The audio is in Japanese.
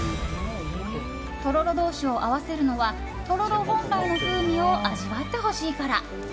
とろろ同士を合わせるのはとろろ本来の風味を味わってほしいから。